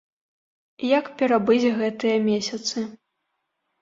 Як перабыць гэтыя месяцы?